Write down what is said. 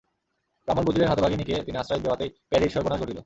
ব্রাহ্মণ বুঝিলেন, হতভাগিনীকে তিনি আশ্রয় দেওয়াতেই প্যারীর সর্বনাশ ঘটিল।